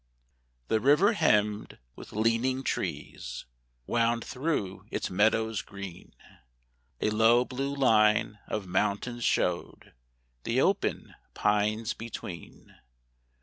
The river hemmed with leaning trees Wound through its meadows green; A low, blue line of mountains showed The open pines between.